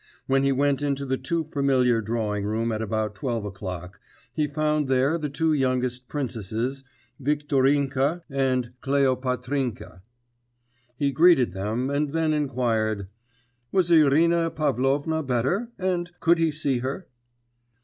When he went into the too familiar drawing room at about twelve o'clock, he found there the two youngest princesses, Viktorinka and Kleopatrinka. He greeted them, and then inquired, 'Was Irina Pavlovna better, and could he see her?